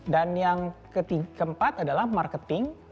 dan yang keempat adalah marketing